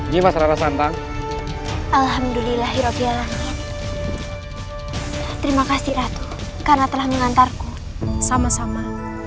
gimana santan alhamdulillah hirokia lalu terima kasih ratu karena telah mengantarku sama sama